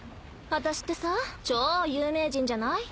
私ってさ超有名人じゃない？